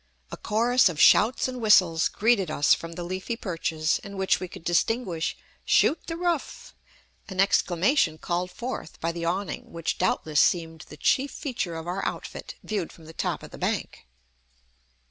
A chorus of shouts and whistles greeted us from the leafy perches, in which we could distinguish "Shoot the roof!" an exclamation called forth by the awning, which doubtless seemed the chief feature of our outfit, viewed from the top of the bank.